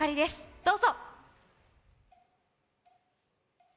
どうぞ！